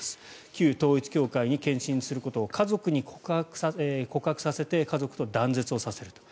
旧統一教会の献身することを家族に告白させて家族と断絶させると。